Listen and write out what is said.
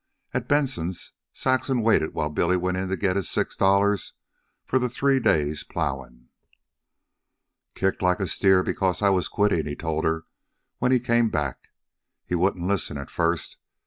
At Benson's Saxon waited while Billy went in to get his six dollars for the three days' plowing. "Kicked like a steer because I was quittin'," he told her when he came back. "He wouldn't listen at first.